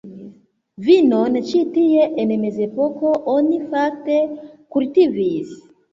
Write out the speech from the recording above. Vinon ĉi tie en mezepoko oni fakte kultivis.